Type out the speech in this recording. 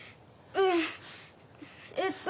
うんえっと